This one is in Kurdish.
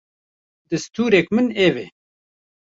distûrek min ev e.